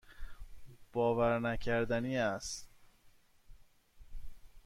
باورنکردنی است.